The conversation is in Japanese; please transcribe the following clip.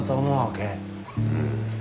うん。